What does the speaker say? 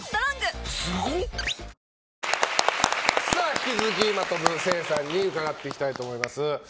引き続き、真飛聖さんに伺ってまいりたいと思います。